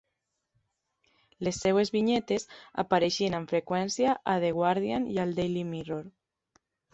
Les seves vinyetes apareixen amb freqüència a The Guardian i al Daily Mirror.